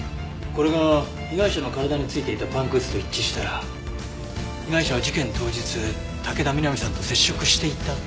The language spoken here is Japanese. これが被害者の体についていたパンくずと一致したら被害者は事件当日武田美波さんと接触していたって事になりますね。